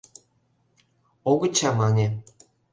«Огыт чамане...